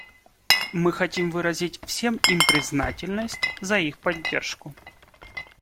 Мы хотим выразить всем им признательность за их поддержку.